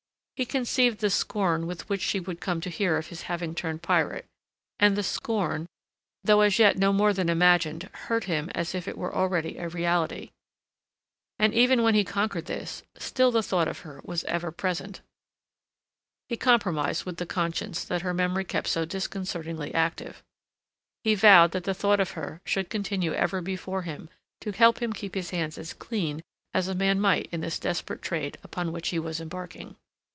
He conceived the scorn with which she would come to hear of his having turned pirate, and the scorn, though as yet no more than imagined, hurt him as if it were already a reality. And even when he conquered this, still the thought of her was ever present. He compromised with the conscience that her memory kept so disconcertingly active. He vowed that the thought of her should continue ever before him to help him keep his hands as clean as a man might in this desperate trade upon which he was embarking.